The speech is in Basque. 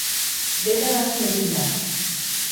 Dena hasi egin da.